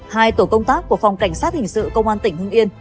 hai tổ công tác của phòng cảnh sát hình sự công an tỉnh hưng yên